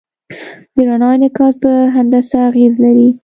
د رڼا انعکاس په هندسه اغېز لري.